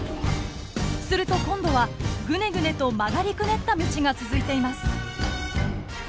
すると今度はグネグネと曲がりくねった道が続いています。